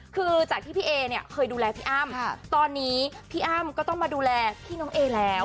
คือจากที่พี่เอเนี่ยเคยดูแลพี่อ้ำตอนนี้พี่อ้ำก็ต้องมาดูแลพี่น้องเอแล้ว